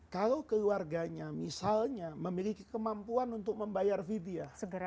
kalau keluarganya misalnya memiliki kemampuan untuk membayar vidya